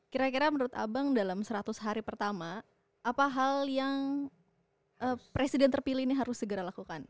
kira kira menurut abang dalam seratus hari pertama apa hal yang presiden terpilih ini harus segera lakukan